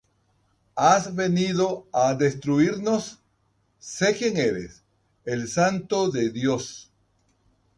¿Has venido á destruirnos? Sé quién eres, el Santo de Dios.